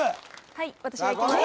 はい私がいきます